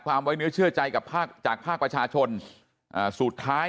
ไว้เนื้อเชื่อใจกับภาคจากภาคประชาชนอ่าสุดท้าย